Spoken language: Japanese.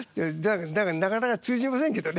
だからなかなか通じませんけどね。